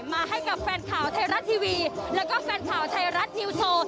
มาให้กับแฟนข่าวไทยรัฐทีวีแล้วก็แฟนข่าวไทยรัฐนิวโชว์